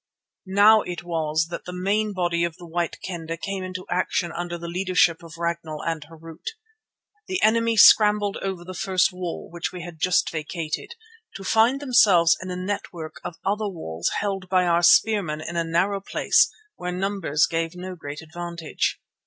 Now it was that the main body of the White Kendah came into action under the leadership of Ragnall and Harût. The enemy scrambled over the first wall, which we had just vacated, to find themselves in a network of other walls held by our spearmen in a narrow place where numbers gave no great advantage.